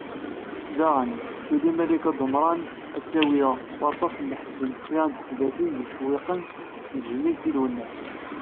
Daɣen, tuli Malika Dumran ad d-tawi s waṭas n leḥzen kra n tezlatin d yicewwiqen n tejmilt i Lwennas.